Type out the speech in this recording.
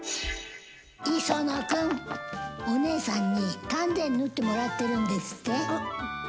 磯野君お姉さんに丹前縫ってもらってるんですって。